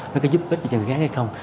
nó có giúp ích gì cho người khác hay không